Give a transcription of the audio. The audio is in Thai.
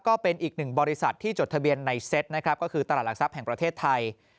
ก็เป็นอีกหนึ่งบริษัทที่จดทะเบียนในเซตนะครับก็คือตลาดหลักทรัพย์แห่งประเทศไทย